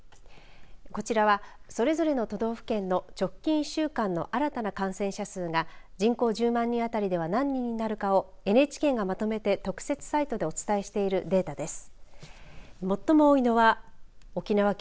こちらはそれぞれの都道府県の直近１週間の新たな感染者数が人口１０万人当たりでは何人かになるかをＮＨＫがまとめて特設サイトでお伝えしているデータです。